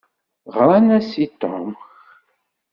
Ɣṛan-as i Tom.